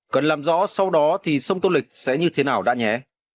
cần làm rõ sau đó thì sông tô lịch sẽ như thế nào đã nhé